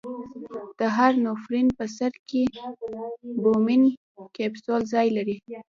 د هر نفرون په سر کې بومن کپسول ځای لري.